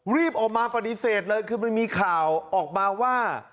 รีบออกมาปฏิเสธเลยคือมันมีข่าวออกมาว่า